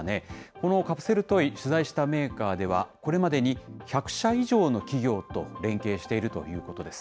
このカプセルトイ、取材したメーカーでは、これまでに１００社以上の企業と連携しているということです。